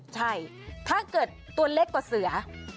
ใช่ถ้าเกิดตัวเล็กกว่าเสือ